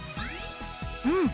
うん！